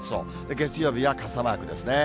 月曜日は傘マークですね。